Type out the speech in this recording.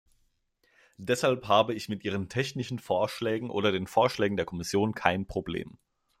Deshalb habe ich mit ihren technischen Vorschlägen oder den Vorschlägen der Kommission kein Problem.